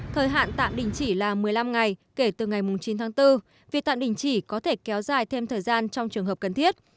thời hạn tạm đình chỉ là một mươi năm ngày kể từ ngày chín tháng bốn việc tạm đình chỉ có thể kéo dài thêm thời gian trong trường hợp cần thiết